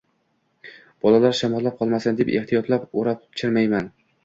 Bolalar shamollab qolmasin deb, ehtiyotlab, o`rab-chirmayman